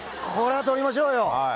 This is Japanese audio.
これは取りましょうよ！